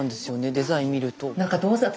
デザイン見ると。